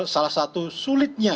salah satu sulitnya